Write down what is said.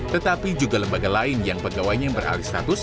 tetapi juga lembaga lain yang pegawainya yang beralih status